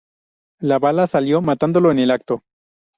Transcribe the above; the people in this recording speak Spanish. La bala salió, matándolo en el acto.